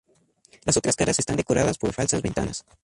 Las otras caras están decoradas por falsas ventanas.